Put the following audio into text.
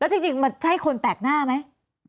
จริงมันใช่คนแปลกหน้าไหม